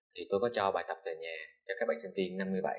thì tôi có cho bài tập về nhà cho các bạn sinh tiên năm mươi bạn